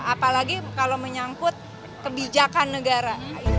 apalagi kalau menyangkut kebijakan negara